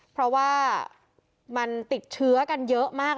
เพราะว่ามันติดเชื้อกันเยอะมาก